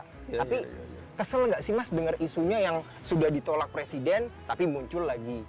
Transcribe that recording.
tapi kesel nggak sih mas dengar isunya yang sudah ditolak presiden tapi muncul lagi